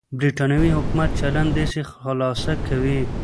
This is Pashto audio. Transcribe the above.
برېټانوي حکومت چلند داسې خلاصه کوي.